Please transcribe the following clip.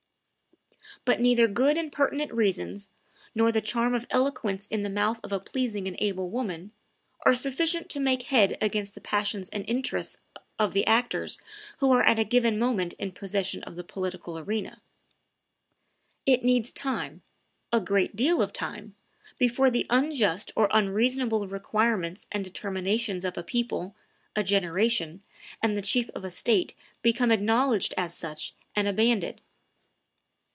But neither good and pertinent reasons, nor the charm of eloquence in the mouth of a pleasing and able woman, are sufficient to make head against the passions and interests of the actors who are at a given moment in possession of the political arena; it needs time, a great deal of time, before the unjust or unreasonable requirements and determinations of a people, a generation, and the chief of a state become acknowledged as such and abandoned.